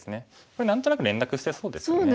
これ何となく連絡してそうですよね。